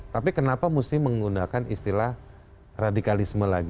tapi kenapa mesti menggunakan istilah radikalisme lagi